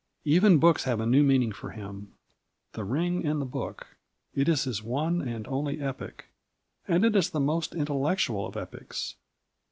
Even books have a new meaning for him. The Ring and the Book it is his one and only epic. And it is the most intellectual of epics.